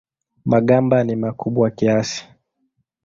Magamba ni makubwa kiasi.